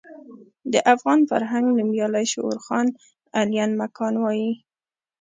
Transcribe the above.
د افغان فرهنګ نومیالی شعور خان علين مکان وايي.